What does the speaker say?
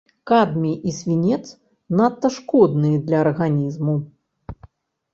Кадмій і свінец надта шкодныя для арганізму.